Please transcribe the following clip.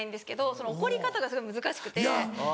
その怒り方がすごい難しくて。